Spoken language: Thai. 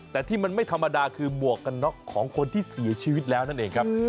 แต่ที่มันไม่ธรรมดาคือหมวกกันน็อกของคนที่เสียชีวิตแล้วนั่นเองครับ